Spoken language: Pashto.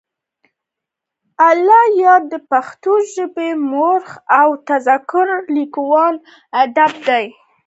الله یار دپښتو ژبې مؤرخ او تذکرې لیکونی ادیب وو.